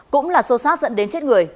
cũng là xô xát dẫn đến chết người